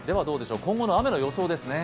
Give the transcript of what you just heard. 今後の雨の予想ですね。